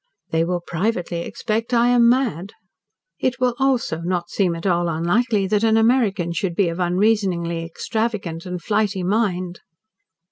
They will privately suspect I am mad. It will, also, not seem at all unlikely that an American should be of unreasoningly extravagant and flighty mind.